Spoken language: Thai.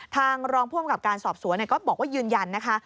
รองผู้อำกับการสอบสวนก็บอกว่ายืนยันนะคะ